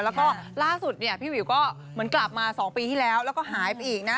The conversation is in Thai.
แล้วก็ล่าสุดเนี่ยพี่วิวก็เหมือนกลับมา๒ปีที่แล้วแล้วก็หายไปอีกนะ